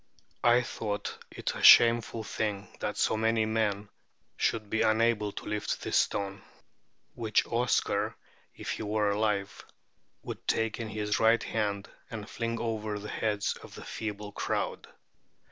I thought it a shameful thing that so many men should be unable to lift this stone, which Oscar, if he were alive, would take in his right hand and fling over the heads of the feeble crowd.